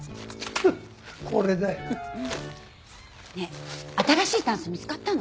フッこれだよ。ねえ新しいタンス見つかったの？